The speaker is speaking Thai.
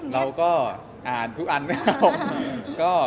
เราก็อ่านทุกอัญค่ะ